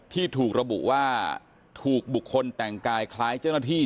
ที่ถูกระบุว่าถูกบุคคลแต่งกายคล้ายเจ้าหน้าที่